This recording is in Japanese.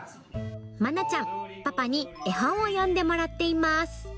まなちゃん、パパに絵本を読んでもらっています。